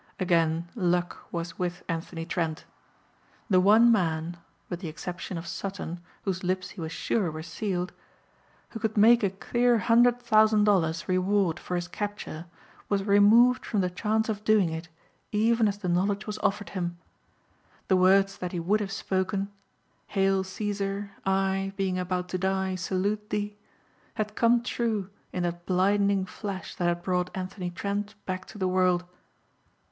Again luck was with Anthony Trent. The one man with the exception of Sutton whose lips he was sure were sealed who could make a clear hundred thousand dollars reward for his capture was removed from the chance of doing it even as the knowledge was offered him. The words that he would have spoken, "Hail Cæsar, I, being about to die, salute thee!" had come true in that blinding flash that had brought Anthony Trent back to the world.